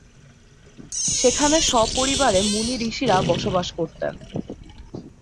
সেখানে সপরিবারে মুনি-ঋষিরা বসবাস করতেন।